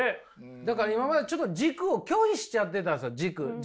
だから今までちょっと軸を拒否しちゃってたんですよ。軸軸。